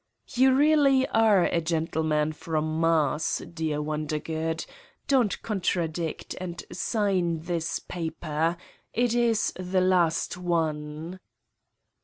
"You really are a gentleman from Mars, dear Wondergood. Don't contradict, and sign this paper. It is the last one."